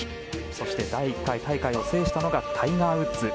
そして、第１回大会を制したのがタイガー・ウッズ。